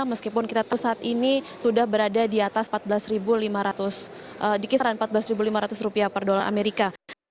meskipun kita tahu saat ini sudah berada di atas di kisaran empat belas lima ratus rupiah per dolar amerika